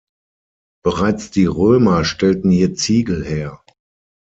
Bereits die Römer stellten hier Ziegel her.